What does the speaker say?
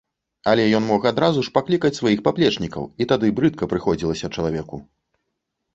Але ён мог адразу ж паклікаць сваіх паплечнікаў, і тады брыдка прыходзілася чалавеку.